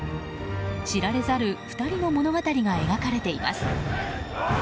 知られざる２人の物語が描かれています。